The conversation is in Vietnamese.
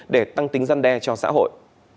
để tăng tính gian đe cho xã hội